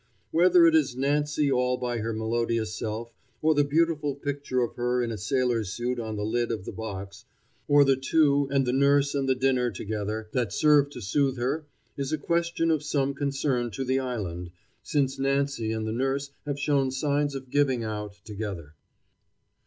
Whether it is Nancy all by her melodious self, or the beautiful picture of her in a sailor's suit on the lid of the box, or the two and the nurse and the dinner together, that serve to soothe her, is a question of some concern to the island, since Nancy and the nurse have shown signs of giving out together.